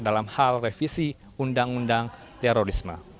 dalam hal revisi undang undang terorisme